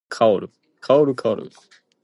Its name was changed later to Downe.